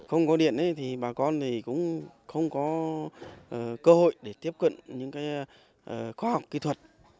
không có điện thì bà con cũng không có cơ hội để tiếp cận những khoa học kỹ thuật